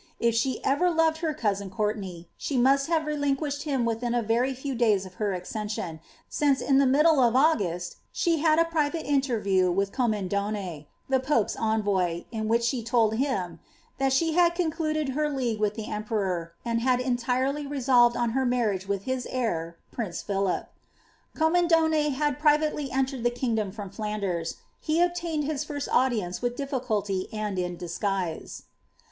If she ever loved her cousin Courtenay, she must have relinquished him within a very few days of her accession, since in the middle of August she had a private interview with Commendone, the pope's envoy, in whicli she told him, ^^ that she had concluded her league with the emperor, and had entirely resolved on her marriage with his heir, prince Philip.^' ' Commendone had pri vately entered the kingdom from Flanders ; he obtained his lirst audience with difficulty and in disguise.